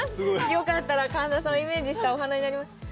よかったら神田さんイメージしたお花になります